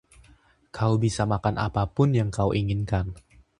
Kau bisa makan apapun yang kau inginkan.